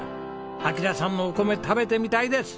暁良さんのお米食べてみたいです。